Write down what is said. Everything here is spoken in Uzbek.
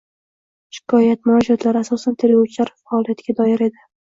Shikoyat, murojaatlar, asosan, tergovchilar faoliyatiga doir edi.